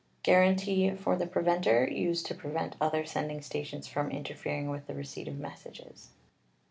Guarantee for the preventer, used to prevent other sending stations from interfering with the receipt of messages.